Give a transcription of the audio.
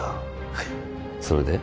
はいそれで？